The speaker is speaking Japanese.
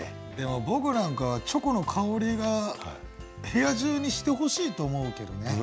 僕なんかはチョコの香りが部屋中にしてほしいと思うけどね。